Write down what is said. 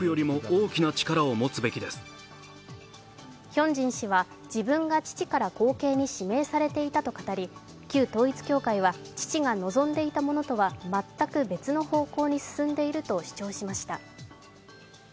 ヒョンジン氏は自分が父から後継に指名されていたと語り旧統一教会は父が望んでいたものとは全く別の方向に進んでいると主張しました。